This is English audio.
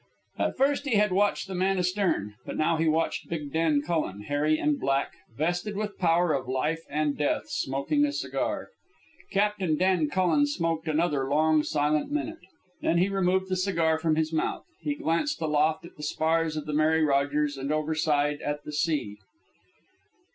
At first he had watched the man astern, but now he watched big Dan Cullen, hairy and black, vested with power of life and death, smoking a cigar. Captain Dan Cullen smoked another long, silent minute. Then he removed the cigar from his mouth. He glanced aloft at the spars of the Mary Rogers, and overside at the sea.